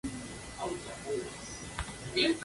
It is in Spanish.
Son los mayores enemigos de las chicas.